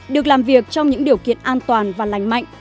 được làm việc trong những điều kiện an toàn và lành mạnh